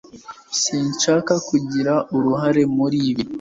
Sinshaka kugira uruhare muri ibi